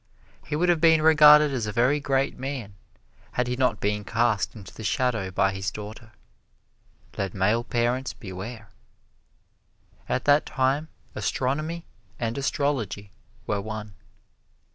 He would have been regarded as a very great man had he not been cast into the shadow by his daughter. Let male parents beware. At that time, astronomy and astrology were one.